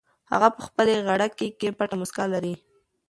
هغه په خپلې غړکۍ کې پټه موسکا لري.